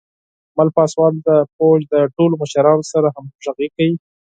مل پاسوال د پوځ د ټولو مشرانو سره همغږي کوي.